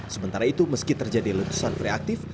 sementara itu meski terjadi letusan free aktif